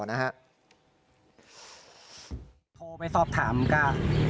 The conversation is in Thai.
โทรไปสอบถามค่ะ